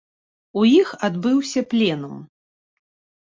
У іх адбыўся пленум.